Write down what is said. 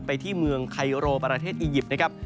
ที่เมืองไคโรประเทศอียิปต์นะครับ